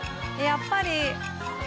やっぱり。